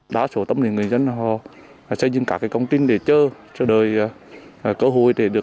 đa số tâm lý người dân họ xây dựng các công trình để chơi chơi đời cơ hội